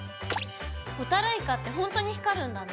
ホタルイカってほんとに光るんだね。